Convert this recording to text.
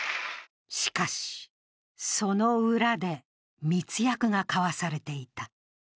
しかし、その裏で密約が交わされていた。